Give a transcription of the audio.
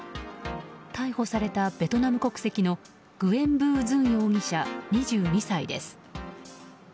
逮捕されたベトナム国籍のグエン・ヴー・ズン容疑者２２歳です。